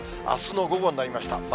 あすの午後になりました。